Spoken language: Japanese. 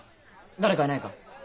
誰かいないか？